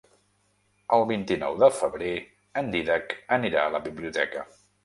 El vint-i-nou de febrer en Dídac anirà a la biblioteca.